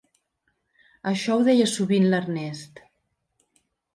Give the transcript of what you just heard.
Això ho deia sovint l'Ernest.